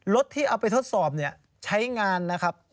ที่เอาไปทดสอบเนี่ยใช้งานนะครับ